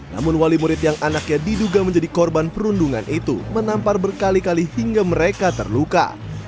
namun wali murid yang anaknya diduga menjadi korban perundungan itu menampar berkali kali hingga mereka terluka